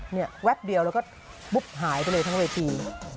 เนี่ยแวบเดียวแล้วก็ปุ๊บหายไปเลยทั้งเวที